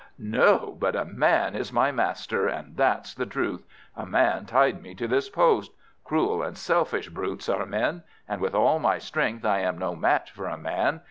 No, but a Man is my master, and that's the truth. A Man tied me to this post. Cruel and selfish brutes, are men; and with all my strength, I am no match for a Man.